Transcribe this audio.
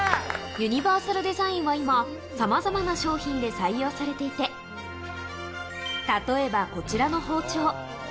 ユニバーサルデザインは今、さまざまな商品で採用されていて、例えばこちらの包丁。